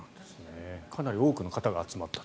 かなり多くの方が集まったと。